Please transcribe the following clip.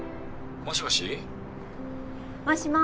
もしもし。